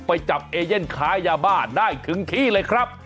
ไปจับเอเย่นค้ายาบ้าได้ถึงที่เลยครับ